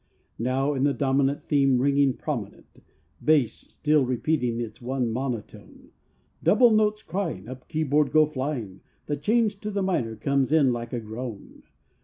Now in the dominant Theme ringing prominent, Bass still repeating its one monotone, Double notes crying, Up keyboard go flying, The change to the minor comes in like a groan.